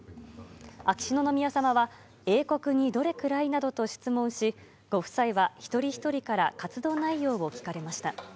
秋篠宮さまは英国にどれくらい？などと質問しご夫妻は、一人ひとりから活動内容を聞かれました。